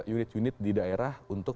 unit unit di daerah untuk